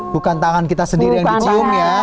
bukan tangan kita sendiri yang dicium ya